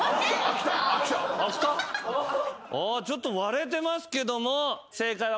ちょっと割れてますけども正解はこちら。